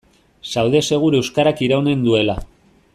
Zaude segur euskarak iraunen duela.